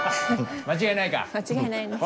間違いないですね。